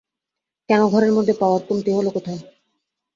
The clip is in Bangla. কেন, ঘরের মধ্যে পাওয়ার কমতি হল কোথায়?